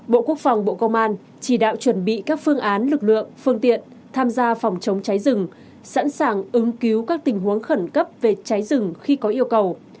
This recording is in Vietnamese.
bộ quốc phòng bộ công an chỉ đạo chuẩn bị các phương án lực lượng phương tiện tham gia phòng chống cháy rừng sẵn sàng ứng cứu các tình huống khẩn cấp về cháy rừng khi có yêu cầu